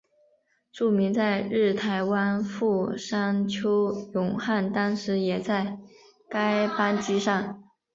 著名在日台湾富商邱永汉当时也在该班机上。